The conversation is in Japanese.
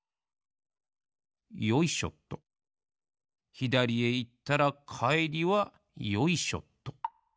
ひだりへいったらかえりはよいしょっと！